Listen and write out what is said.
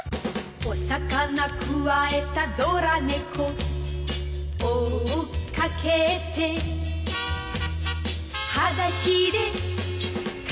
「お魚くわえたドラ猫」「追っかけて」「はだしでかけてく」